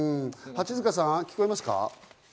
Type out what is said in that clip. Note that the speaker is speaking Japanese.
八塚さん、聞こえますか？